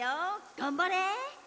がんばれ！